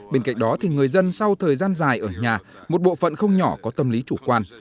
bên cạnh đó thì người dân sau thời gian dài ở nhà một bộ phận không nhỏ có tâm lý chủ quan